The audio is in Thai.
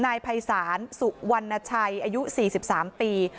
นายภัยศาลสุวรรณชัยอายุสี่สิบสามปี